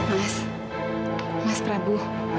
mas mas prabu